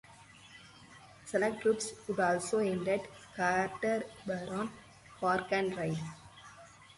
Select trips would also end at Carter Barron Park and Ride.